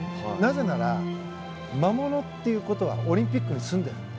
なぜなら魔物ということはオリンピックにすんでいる。